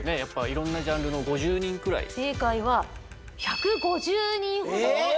いろんなジャンルの５０人くらい正解は１５０人ほどえっ